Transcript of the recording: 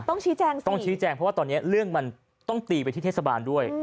ต้องชี้แจงเพราะว่าตอนนี้เรื่องมันต้องตีไปที่เทศบาลด้วย